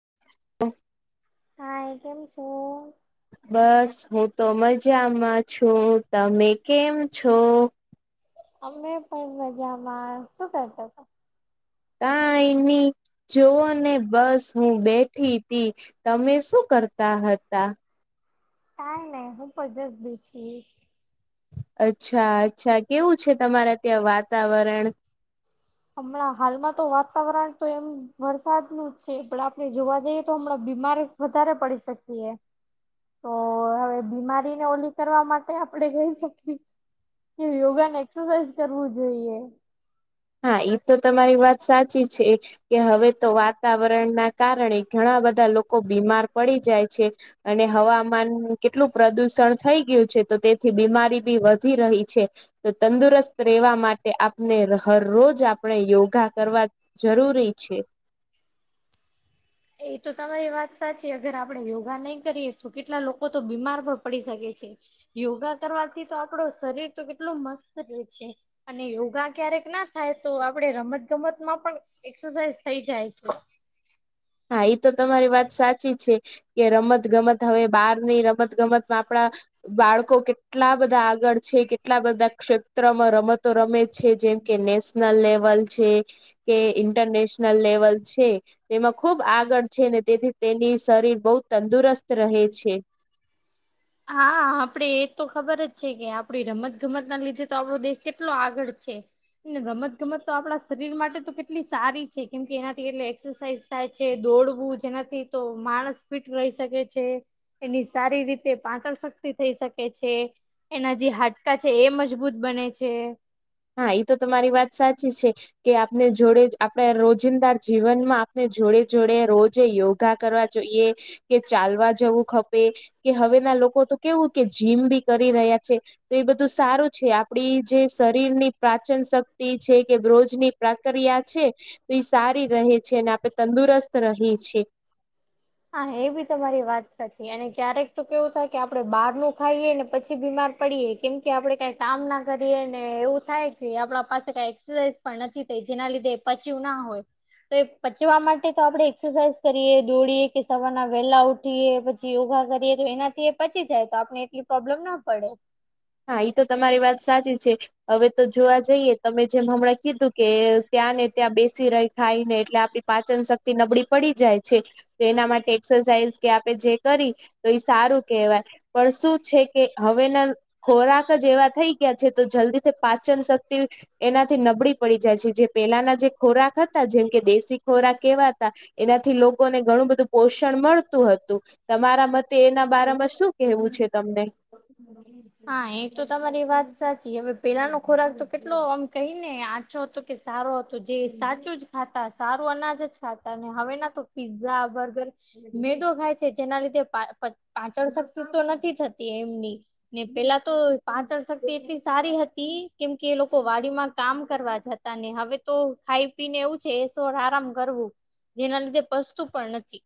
[unintelligible] હાય, કેમ છું? બસ હું તો મજામાં છું, તમે કેમ છો? અમે પણ મજામાં. શું કરતા તા? કાઈ ની. જોવો ને બસ હું બેઠી તી, તમે શું કરતા હતા? કઈ નઈ, હું પણ જસ બેઠી. અચ્છા અચ્છા, કેવું છે તમારા ત્યાં વાતાવરણ? [inaudible] હમણાં હાલમાં તો વાતાવરણ તો એમ વરસાદનું જ છે, એટલે આપણે જોવા જઈએ તો હમણાં બીમાર વધારે પડી શકીએ. તો હવે બીમારીને ઓલી કરવા માટે આપણેે રહી શકીએ. કે યોગા ને એક્સરસાઇઝ કરવું જોઈએ. હા, એ તો તમારી વાત સાચી છે. કે હવે તો વાતાવરણ ના કારણે, ઘણા બધા લોકો બીમાર પડી જાય છે. અને હવામાન કેટલું પ્રદુષણ થઈ ગયું છે, તો તેથી બીમારી બી વધી રહી છે. તો તંદુરસ્ત રહેેવા માટે આપને ર રોજ આપણે યોગા કરવા જરૂરી છે. એ તો તમારી વાત સાચી, અગર આપડે યોગા નહી કરીએ, તો કેટલા લોકોતો બીમાર પણ પડી શકે છે. યોગા કરવાથી તો આપડો શરીર તો કેટલો મસ્ત રે છે. અને યોગા ક્યારેક ના થાય, તો આપડે રમત ગમતમાં પણ એક્સરસાઇઝ થઈ જાય છે. હા, એ તો તમારી વાત સાચી છે. કે રમત ગમત, હવે બાર ની રમત ગમતમાં આપણા બાળકો કેટ ટલા બધા આગળ છે, કેટલા બધા ક્ષેત્રમાં રમતો રમે છે, જેમ કે નેસ નલ લેવલ છે, કે ઇન્ટરનેશનલ લેવલ છે, એમાં ખૂબ આગળ છે, ને તેથી તેની શરીર બહુ તંદુરસ્ત રહે છે. [inaudible] હા, આપડે એ તો ખબર જ છે કે, આપડી રમત ગમત ના લીધે તો આપણો દેશ કેટલો આગળ છે. ને રમત ગમત તો આપડા શરીર માટે તો કેટલી સારી છે, કેમ કે એનાથી એટલે એક્સરસાઇઝ થાય છે, દોડવું જેના તો માણસ ફિટ રહી શકે છે, એની સારી રીતે પાચન શક્તિ થઈ શકે છે. એના જે હાડકા છે એ મજબૂત બને છે. હા, એ તો તમારી વાત સાચી છે. કે આપને જોડેજ, આપડે રોજિંદાર જીવન માં આપને જોડે જોડે રોજે યોગા કરવા જોઈએ કે ચાલવા જવું ખપે, કે હવે ના લોકો તો કેવું કે જીમ બી કરી રહ્યા છે. તો એ બધું સારું છે, આપડીજે સ રીર ની પ્રાચન શક્તિ છે, કે બ્રોજ ની પ્રક્રિયા છે. ઇ સારી રહે છે, અને આપડણે તંદુરસ્ત રહી છીએ. હા, એ બી તમારી વાત સાચી, અને ક્યારેક તો કેવું થાય કે આપડે બહાર નું ખાઈએ, ને પછી બીમાર પડીએ. કેમ કે આપડે કઈ કામ ના કરીએ, ને એવું થાય કે આપણા પાસે કઈ એક્સરસાઇઝ પણ નથી થઈ, જેના લીધે એ પચ્યું ના હોય. એ પચવા માટે તો આપડે એક્સરસાઇઝ કરીએ, દોડીએ. કે સવારના વેલા ઉઠીએ, પછી યોગા કરીએ, તો એનાથી એ પચી જાય, તો આપને એટલી પ્રોબ્લેમ ના પડે. હા, એઈ તો તમારી વાત સાચી છે. હવે તો જોવા જઈએ, તમે જેમ હમણાં કીધું કે, ત્યાં ને ત્યાં બેસી રહી થાય ને એટલે આપ પાચન શક્તિ નબળી પડી જાય છે. તો એના માટે એક્સરસાઇઝ કે આપે જે કરી તો એ સારું કેહેવાય પણ શું છે કે હવેના ખોરાક જ એવા થઈ ગયા છે તો જલ્દીથી પા પાચન શક્તિ એનાથી નબળી પડી જાય છે જે પહેલાના જે ખોરાક હતા જેમ કે દેશી ખોરાક કેવા હતા એનાથી લોકોને ઘણું બધું પોષણ મળતું હતું તમારા મતે એના બારમાં શું કેવું છે તમને હા એ તો તમારી વાત સાચી હવે પેલાનો ખોરાક તો કેટલો આમ કહી ને આચો હતો કે સારો હતો જે સાચું જ ખાતા સારું અનાજ જ ખાતા ને હવે ના તો પીઝા બર્ગર મેદો ખાય છે. જેના લીધે પાચળ શક્તિ તો નથી થતી એમની ને પેલા તો પાચળ શક્તિ એટલી સારી હતી કેમ કે એ લોકો વાડીમાં કામ કરવા જતા ને હવે તો ખાઈ પીને એવું જ છે સોર [unintelligible] આરામ કરવું જેના લીધે પચતું પણ નથી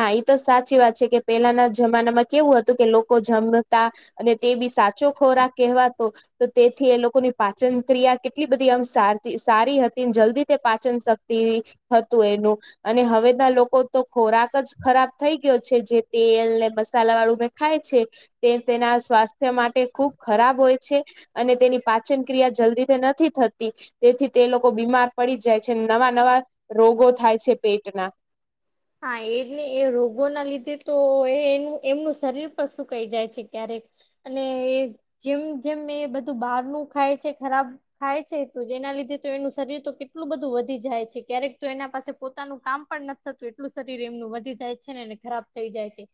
હા એ તો સાચી વાત છે કે પેલાના જમાનામાં કેવું હતું કે લોકો જમતા અને તે બી સાચો ખોરાક કહેવાતો તો તેથી એ લોકોને પાચન ક્રિયા કેટલી બધી આમ સાચી સારી હતી જલ્દી તે પાચન શક્તી હતું એનું. અને હવેના લોકો તો ખોરાક એક જ ખરાબ થઈ ગયો છે જે તેલ ને મસાલા વાળું મેં ખાય છે. તે તેના સ્વાસ્થ્ય માટે ખુબ ખરાબ હોય છે. અને તેની પાચન ક્રિયા જલ્દીથી નથી થતી. તેથી તે લોકો બીમાર પડી જાય છે નવા નવા રોગો થાય છે પેટના હા એને એ રોગોના લીધે તો એ એમનું શરીર પર શું કહી જાય છે ક્યારેક અને જેમ જેમ એ બધું બહારનું ખાય છે ખરાબ ખાય છે તો જેના લીધે તો એનું શરીર તો કેટલું બધું વધી જાય છે ક્યારેક તો એના પાસે પોતાનું કામ પણ નથી થતું એટલું શરીર એમનું વધી જાય છે ને ખરાબ થઈ જાય છે.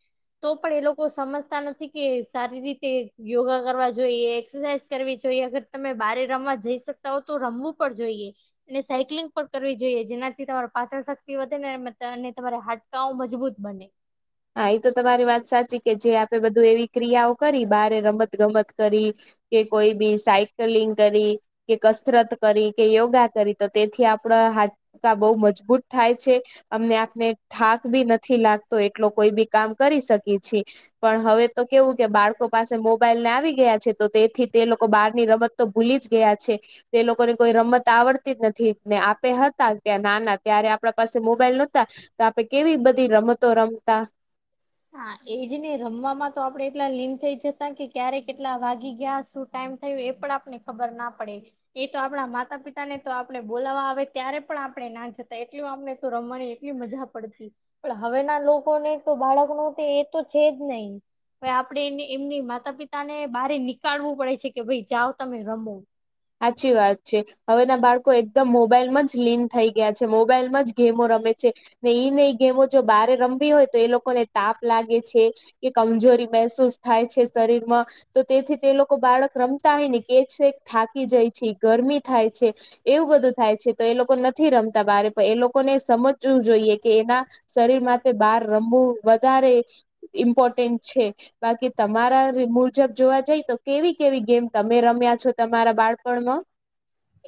તો પણ એ લોકો સમજતા નથી કે સારી રીતે યોગા કરવા જોઈએ એક્સરસાઇઝ કરવી જોઈએ અગર તમે બારે રમવા જઈ શકતા હો તો રમવું પણ જોઈએ. અને સાયક્લિંગ પણ કરવી જોઈએ જેનાથી તમારે પાચન શક્તિ વધે ને અને તમારા હાડકાઓ મજબૂત બને. હા એ તો તમારી વાત સાચી કે જે આપે બધું એવી ક્રિયાઓ કરી બારે રમત ગમત કરી. કે કોઈ બી સાયકલિંગ કરી કે કસરત કરી. કે યોગા કરી તો તેથી આપડા હાથ બહુ મજબૂત થાય છે અમને આપને થાક ભી નથી લાગતો એટલો કોઈ બી કામ કરી શકી છી પણ હવે તો કેવું કે બાળકો પાસે મોબાઈલ ને આવી ગયા છે. તો તેથી તે લોકો બહારની રમતો ભૂલી જ ગયા છે. એ લોકોને કોઈ રમત આવડતી જ નથી ને આપે હતા ત્યાં નાના ત્યારે આપણા પાસે મોબાઈલ નહોતા. તો આપડે કેવી બધી રમતો રમતા હા એજ ને રમવાવામાં તો આપડે એટલા લીન થઈ જતા કે ક્યારે કેટલા વાગતા ત્યાં શું ટાઈમ થયું એ પણ આપને ખબર ના પડે. એ તો આપણા માતા પિતા ને તો આપણે બોલાવા આવે ત્યારે પણ આપણે ના જતા એટલું આપણે તો રમવાની એટલી મજા પડતી પણ હવેના લોકોને તો બાળક એ તો છે જ નહી. આપેડે એ એમની માતા પિતાને બારની કાડવું પડે છે કે ભાઈ જાવ તમે રમો. સાચી વાત છે હવેના બાળકો એકદમ મોબાઈલમાં જ લીન થઈ ગયા છે મોબાઈલમાં જ ગેમો રમે. ને ઈ ન ગેમો જો બહારે રમવી હોય તો એ લોકોને તાપ લાગે છે. કે કમજોરી મહેસૂસ થાય છે શરીરમાં તો તેથી એ લોકો બાળક રમતા હોય ને કેહ થાકી જાય છે, ગરમી થાય છે. એવું બધું થાય છે તો એ લોકો નથી રમતા બારે પણ એ લોકોને સમજવું જોઈએ કે એના શરીર માટે બહાર રમવું વધારે ઇમ્પોર્ટન્ટ છે બાકી તમારા મુજબ જોવા જાય તો કેવી કેવી ગેમ તમે રમ્યા છો તમારા બાળપણમાં. [inaudible] [unintelligible]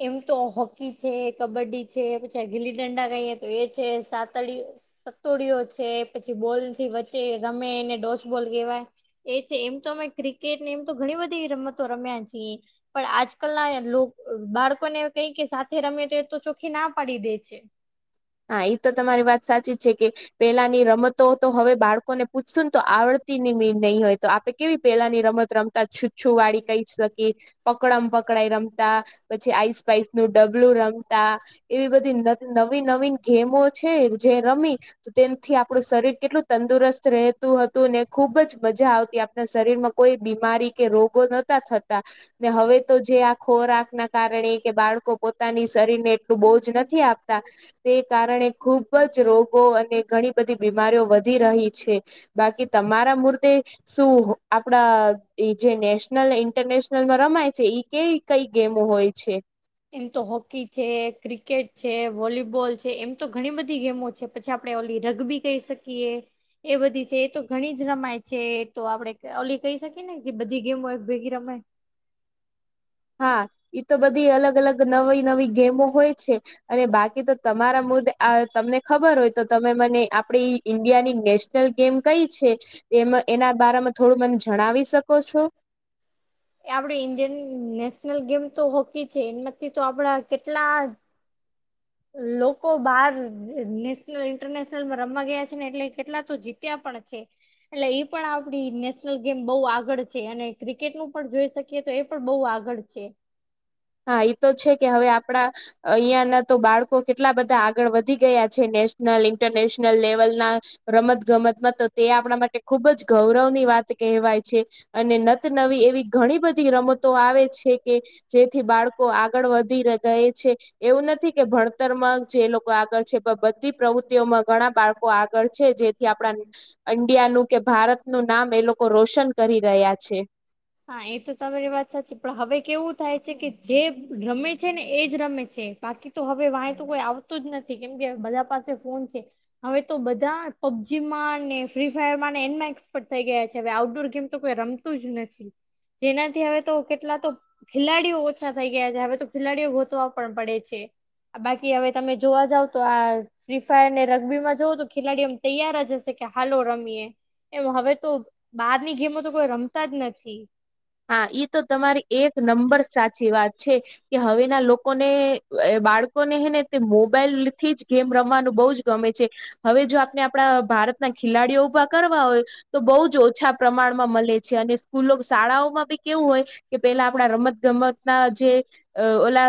એમ તો હોકી છે, કબડ્ડી છે, પછી ગીલી ડંડા કહીએ તો એ છે સાતડીયું સતોડીયો છે પછી બોલથી વચે રમેને ડોચ બોલ કહેવાય. એ છે એમ તો અમે ક્રિકેટને એમ તો ઘણી બધી રમતો રમ્યા છીએ. પણ આજકાલ ના બાળકોને કઈ કે સાથે રમે તો એ તો ચોખ્ખી ના પાડી દે છે. હા એ તો તમારી વાત સાચી જ છે કે પેલા ની રમતો તો હવે બાળકો લોકોને પૂછશ તો આવડતી મી નહી હોય તો આપે કેવી પેલાની રમત રમતા છૂછુ વાળી કહી શકી. પકડમ પકડાય રમતા પછી આઈસ પાઈસ નું ડબલું રમતા એવી બધી ત નવી નવીન ગેમો છે જે રમી તેનથી આપડું શરીર કેટલું તંદુરસ્ત રહેતુ તો ને ખુબ જ મજા આવતી આપણા શરીર માં કોઈ બીમારી કે રોગો નતા થતા ને હવે તો જે આ ખોરાક ના કારણે કે બાળકો પોતાની શરીરને બહુ બોજ નથી આપતા તે કારણે ખુબ જ રોગો અને ઘણી બધી બીમારીઓ વધી રહી છે બાકી તમારા મૂર્તે શું આપડા એ જે નેશનલ ઇન્ટરનેશનલ માં રમાય છે ઈ કેવી કઈ ગેમો હોય છે એમ તો હોકી છે ક્રિકેટ છે વોલીબોલ છે એમ તો ઘણી બધી ગેમો છે પછી આપણે ઓલી રગબી કહી શકીએ એ બધી છે તો ઘણી જ રમાય છે તો આપડે ઓલી કહી શકીએ ને જે બધી ગેમો એક ભેગી રમાય [unintelligible] હા તો બધી અલગ અલગ નવી નવી ગેમો હોય છે અને બાકી તો તમારા મુદ્દે તમને ખબર હોય તો તમે મને આપણે ઈન્ડિયાની નેશનલ ગેમ કઈ છે એ એના બારમાં થોડું મને જણાવી શકો છો આપડે ઈન્ડિયન નેશનલ ગેમ તો હોકી છે એમાંથી તો આપડા કેટલા લોકો બાર નેશનલ ઇન્ટરનેશનલમાં રમવા ગયા છે ને એટલે કેટલા તો જીત્યા પણ છે એટલે એ પણ આપડી નેશનલ ગેમ બઉ આગળ છે અને ક્રિકેટ નું પણ જોઈ શકીએ એ તો એ પણ બહુ આગળ છે હા એ તો છે કે હવે આપણા અહિયાં ના તો બાળકો કેટલા બધા આગળ વધી ગયા છે નેશનલ ઇન્ટરનેશનલ લેવલના રમત ગમતમાં તો તે આપણા માટે ખુબ જ ગૌરવની વાત કહેવાય છે અને નતનવી એવી ઘણી બધી રમતો આવે છે કે જે થી બાળકો આગળ વધી ગયા છે એવું નથી કે ભણતરમાં જે લોકો આગળ છે બધી પ્રવૃત્તિઓમાં ઘણા બાળકો આગળ છે જેથી આપણા ઈન્ડિયાનું કે ભારતનું નામ એ લોકો રોશન કરી રહ્યા છે હા એ તો તમારી વાત સાચી પણ હવે કેવું થાય છે કે જે રમે છે ને એજ રમે છે બાકી તો હવે વાય તો કોઈ આવતું જ નથી કેમ કે બધા પાસે ફોન છે હવે તો બધા પબજી માં ને ફ્રી ફાયર ને એનમાં એક્સપર્ટ થઈ ગયા છે હવે આઉટડોર ગેમ તો કો રમ જ નથી જેનાથી હવે તો કેટલા તો ખેલાડીઓ ઓછા થઈ ગયા છે હવે તો ખેલાડીઓ પડે છે બાકી હવે તમે જોવા જાવ તો આ શ્રીફાયર ને રગ્બી માં જોવો તો ખેલાડી એમ તૈયાર જ હશે કે હાલો રમીએ એમ હવે તો બહારની ગેમો તો કોઈ રમતા જ નથી હા ઈ તો તમારી એક નંબર સાચી વાત છે કે હવેના લોકોને બાળકોને હે ને તે મોબાઈલ થી જ ગેમ રમવાનું બહું જ ગમે છે હવે જો આપણે આપણા ભારતના ખેલાડીઓ ઊભા કરવા હોય તો બહુ જ ઓછા પ્રમાણમાં મળે છે અને સ્કૂલો શાળાઓ કેવું હોય કે પેલા આપણા રમત ગમત ના જે ઓલા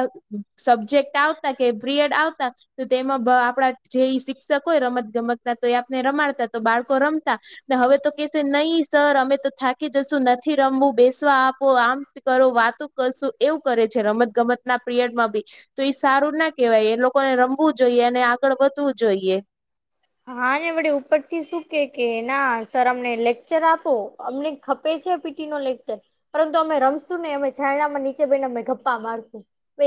સબ્જેક્ટ આવતા કે પરિયડ આવતા તો તેમાં આપડા જે શિક્ષક હોય રમત ગમત ના તો એ આપને રમાડતા તો બાળકો રમતા ને હવે તો કેશે નહી સર અમે તો થાકી જશું નથી રમવું બેસ આપો આમ કરો વાતો કરશું એવું કરે છે રમત ગમત ના પીરિયડમાં બી તો સારું ના કેવાય એ લોકોને રમવું જોઈએ અને આગળ વધવું જોઈએ હા ને વડે ઉપરથી શું કે કે ના સર અમને લેક્ચર આપો અમને ખપે છે પીટી નો લેક્ચર પરંતુ અમે રમશું ને અમે છાયણામાં નીચે બેસી ને અમે ગપ્પા મારશું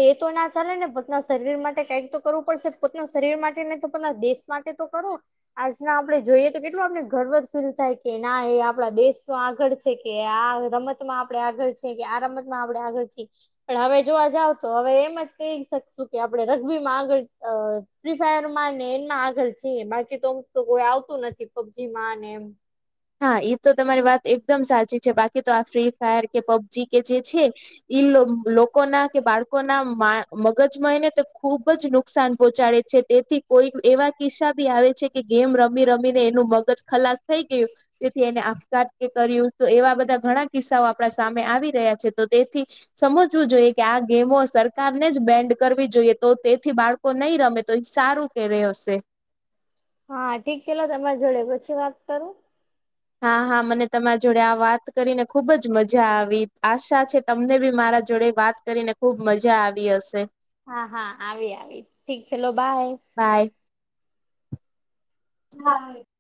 એ તો ના ચાલે ને પોતના શરીર માટે કઈક તો કરવું પડશે પોતના શરીર માટે ને તો પોતના દેશ માટે તો કરો આજના આપડણે જોઈએ તો કેટલું આપને ગર્વર ફીલ થાય કે ના એ આપડા દેશ આગળ કે આ રમતમાં આપણે આગળ છે કે આ રમતમાં આપણે આગળ છીએ પણ હવે જોવા જાવ તો હવે એમ જ કહી શકશું કે આપણે રગ્બીમાં આગળ ફ્રી ફાયર માં ને એનમાં આગળ છીએ બાકી તોક તો કોઈ આવતું નથી પબજી માં ને એમ હા એ તો તમારી વાત એકદમ સાચી છે બાકી તો આ ફ્રી ફાયર કે પબજી કે જે છે ઈ લો લોકો ના કે બાળકોના મા મગજ મયને તો ખુબ જ નુકસાન પહોંચાડે છે તેથી કોઈ એવા કિસ્સા બી આવે છે કે ગેમ રમી રમીને એનું મગજ ખલાસ થઈ ગયું તેથી એને આપખાત કે કર્યું તો એવા બધા ઘણા કિસ્સાઓ આપણા સામે આવી રહ્યા છે તો તે થી સમજવું જોઈએ કે આ ગેમો સર કાર ને જ બેન્ડ કરવી જોઈએ તો તેથી બાળકો નહીં રમે તો એ સારું કે રુ હશે હા ઠીક ચલો તમારી જોડે પછી વાત કરું હા હા મને તમારી જોડે આ વાત કરીને ખુબ જ મજા આવી આશા છે તમને બી મારા જોડે વાત કરીને ખુબ મજા આવી હશે હા હા આવી આવી ઠીક ચલો બાય બાય [inaudible]